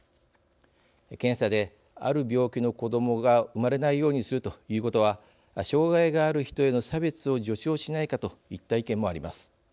検査で、ある病気の子どもが生まれないようにするということは障害がある人への差別を助長しないかといった意見もあります。